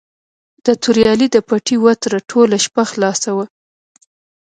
د توریالي د پټي وتره ټوله شپه خلاصه وه.